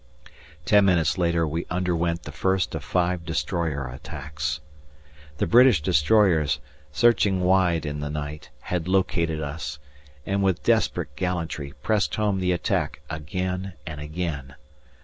Ten minutes later we underwent the first of five destroyer attacks. The British destroyers, searching wide in the night, had located us, and with desperate gallantry pressed home the attack again and again.